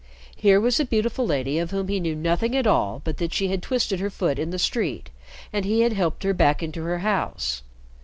Here was a beautiful lady of whom he knew nothing at all but that she had twisted her foot in the street and he had helped her back into her house.